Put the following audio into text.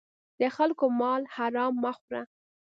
د خلکو مال حرام مه خوره.